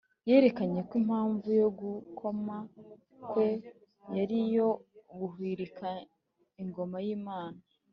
Yerekanye ko impamvu yo kugoma kwe yari iyo guhirika Ingoma y’Imana,